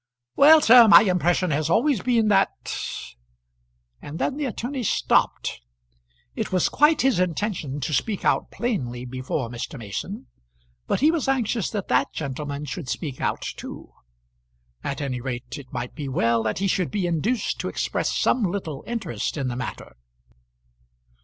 "Well, sir, my impression has always been that " And then the attorney stopped. It was quite his intention to speak out plainly before Mr. Mason, but he was anxious that that gentleman should speak out too. At any rate it might be well that he should be induced to express some little interest in the matter.